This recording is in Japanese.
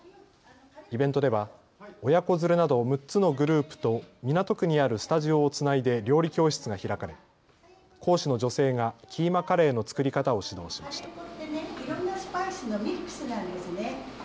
イベントでは親子連れなど６つのグループと港区にあるスタジオをつないで料理教室が開かれ講師の女性がキーマカレーの作り方を指導しました。